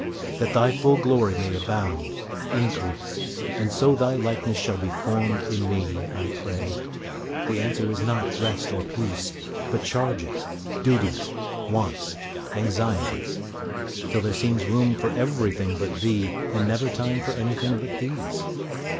That Thy full glory may abound, increase, And so Thy likeness shall be formed in me, I pray; the answer is not rest or peace, But charges, duties, wants, anxieties, Till there seems room for everything but Thee, And never time for anything but these.